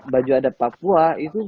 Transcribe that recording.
baju adat papua itu